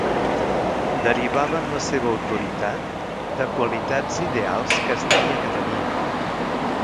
Derivaven la seva autoritat de qualitats ideals que es deia que tenien.